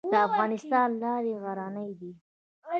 د افغانستان لارې غرنۍ دي